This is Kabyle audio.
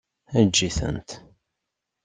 Eǧǧ-itent.